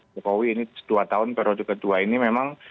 jokowi ini dua tahun periode kedua ini memang